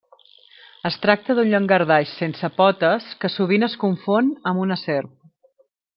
Es tracta d'un llangardaix sense potes que sovint es confon amb una serp.